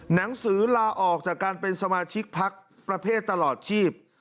หนังสือลาออกจากการเป็นสมาชิกพักประเภทตลอดชีพ